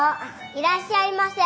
いらっしゃいませ！